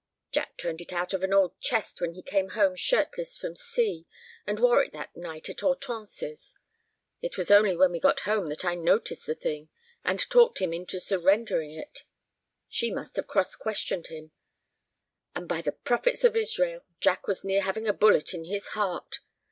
Jack turned it out of an old chest when he came home shirtless from sea, and wore it that night at Hortense's. It was only when we got home that I noticed the thing, and talked him into surrendering it. She must have cross questioned him. And, by the prophets of Israel, Jack was near having a bullet in his heart!